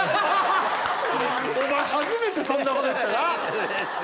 お前初めてそんなこと言ったな！